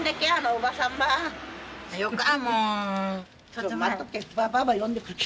ちょっと待っとけ。